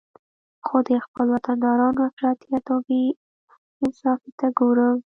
خو د خپل وطندارانو افراطیت او بې انصافي ته ګورم